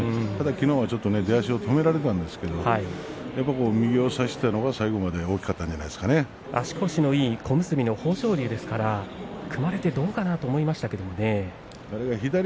きのうはちょっと、出足を止められたんですけど右を差したのが最後まで大きかったんじゃ足腰のいい豊昇龍ですから組まれてどうかなと思いましたけれどね。